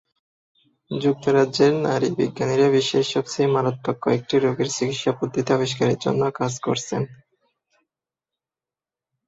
যুক্তরাজ্যের নারী বিজ্ঞানীরা বিশ্বের সবচেয়ে মারাত্মক কয়েকটি রোগের চিকিৎসাপদ্ধতি আবিষ্কারের জন্য কাজ করছেন।